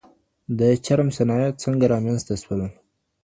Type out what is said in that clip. د چرم صنايع څنګه رامنځته سول؟